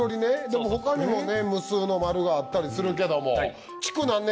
でも他にもね無数の丸があったりするけども。